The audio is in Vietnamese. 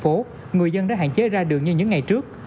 của thành phố người dân đã hạn chế ra đường như những ngày trước